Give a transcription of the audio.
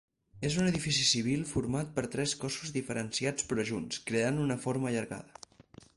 És un edifici civil format per tres cossos diferenciats però junts, creant una forma allargada.